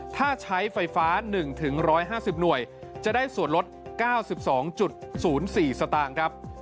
ถ้าใช้ไฟฟ้า๑๑๕๐หน่วยจะได้ส่วนลด๙๒๐๔สตางค์ครับ